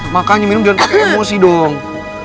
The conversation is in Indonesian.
makanya minum jangan pakai emosi dong